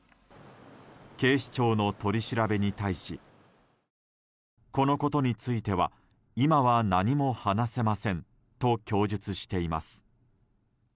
警視庁の取り調べに対しこのことについては今は何も話せませんと供述しています。